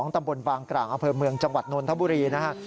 ตำบลบางกลางอำเภอเมืองจังหวัดนนทบุรีนะฮะ